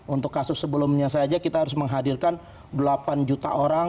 untuk kasus sebelumnya saja kita harus menghadirkan delapan juta orang tujuh juta orang